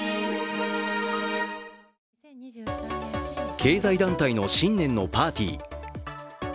経済団体の新年のパーティー。